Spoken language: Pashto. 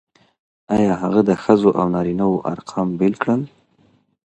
آيا هغه د ښځو او نارينه وو ارقام بېل کړل؟